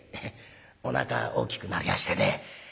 おなか大きくなりやしてね。